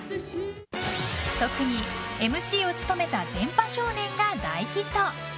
特にＭＣを務めた「電波少年」が大ヒット！